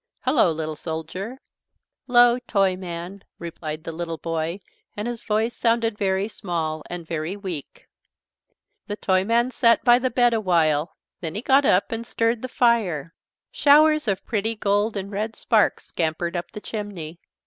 "Hello, little soldier." "'Llo, Toyman," replied the little boy, and his voice sounded very small and very weak. The Toyman sat by the bed a while. Then he got up and stirred the fire. Showers of pretty gold and red sparks scampered up the chimney.